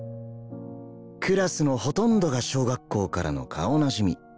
クラスのほとんどが小学校からの顔なじみ。